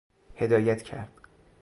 هدایت کرد